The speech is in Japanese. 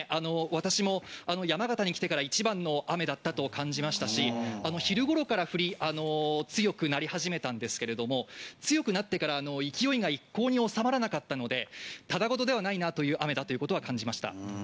私も山形に来てから一番の雨だったと感じましたし、昼頃から強くなり始めたんですけれども、強くなってから勢いが一向に収まらなかったので、ただ事ではないなという雨だということは感じました。